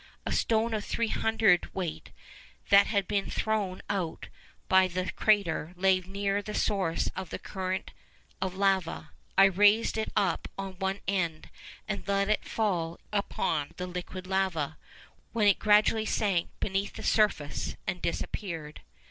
A stone of three hundredweight, that had been thrown out by the crater, lay near the source of the current of lava. I raised it up on one end, and then let it fall in upon the liquid lava, when it gradually sank beneath the surface and disappeared.